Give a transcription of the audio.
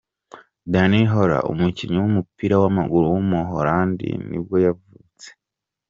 Danny Holla, umukinnyi w’umupira w’amaguru w’umuholandi nibwo yavutse.